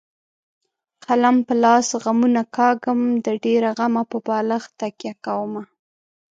قلم په لاس غمونه کاږم د ډېره غمه په بالښت تکیه کومه.